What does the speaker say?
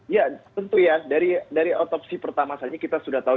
ya tentu ya dari otopsi pertama saja kita sudah tahu